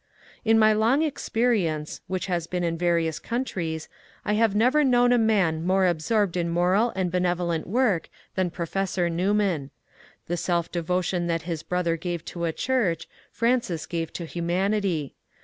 In my long experience, which has been in various countries, I have never known a man more absorbed in moral and be nevolent work than Professor Newman. The self devotion that his brother gave to a church, Francis gave to humanity.